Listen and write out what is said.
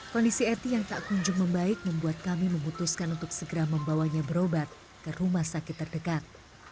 kondisi eti yang tak kunjung membaik membuat kami memutuskan untuk segera membawanya berobat ke rumah sakit terdekat